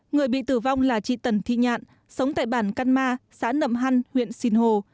người bị tử vong là trị tần thị nhạn sống tại bản can ma xã nậm hăn huyện xìn hồ